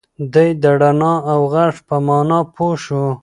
دی د رڼا او غږ په مانا پوه شو.